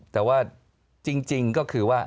แต่ว่าจริงก็คือว่า